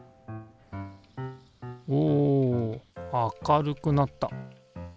お明るくなった。